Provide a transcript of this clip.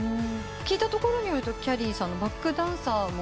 聞いたところによるときゃりーさんのバックダンサーもやられていたと？